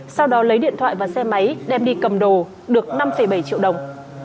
sau đó lấy điện thoại và xe máy đem đi cầm đồ được năm bảy triệu đồng